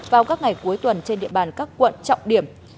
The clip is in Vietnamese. vào các ngày cuối tuần trên địa bàn các quận trọng điểm